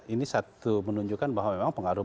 ini satu menunjukkan bahwa memang pengaruh